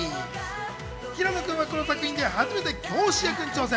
平野君はこの作品で初めて教師役に挑戦。